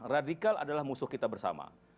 radikal adalah musuh kita bersama